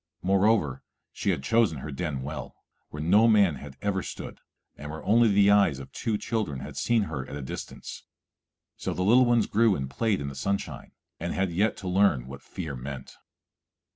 Moreover, she had chosen her den well, where no man had ever stood, and where only the eyes of two children had seen her at a distance. So the little ones grew and played in the sunshine, and had yet to learn what fear meant.